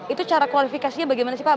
itu cara kualifikasinya bagaimana sih pak